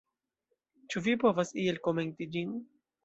Ĉu vi povas iel komenti ĝin?